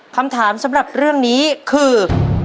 คำถามสำหรับเรื่องนี้คือ